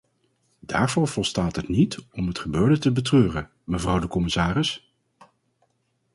Daarvoor volstaat het niet om het gebeurde te betreuren, mevrouw de commissaris.